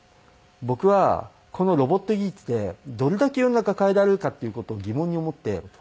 僕はこのロボット技術でどれだけ世の中変えられるかっていう事を疑問に思って。